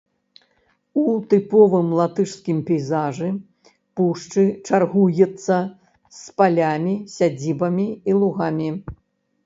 У тыповым латышскім пейзажы, пушчы чаргуецца з палямі, сядзібамі і лугамі.